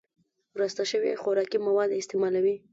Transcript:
وراسته شوي خوراکي مواد استعمالوي